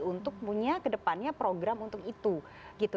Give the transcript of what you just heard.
untuk punya ke depannya program untuk itu